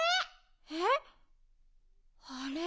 えっ？あれ？